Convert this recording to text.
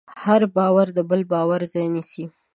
هر باور د بل باور ځای نيسي.